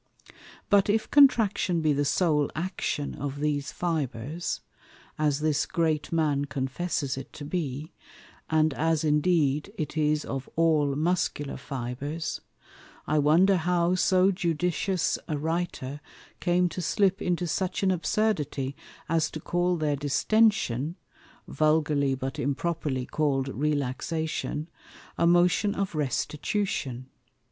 But if Contraction be the sole Action of these Fibres (as this Great Man confesses it to be) and as indeed it is of all Muscular Fibres, I wonder how so judicious a Writer came to slip into such an Absurdity, as to call their Distention (vulgarly but improperly call'd Relaxation) a Motion of Restitution.